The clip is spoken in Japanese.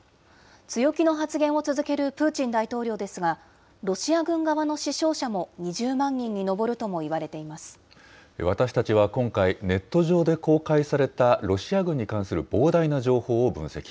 強気の発言を続けるプーチン大統領ですが、ロシア軍側の死傷者も２０万人に上るともいわれていま私たちは今回、ネット上で公開されたロシア軍に関する膨大な情報を分析。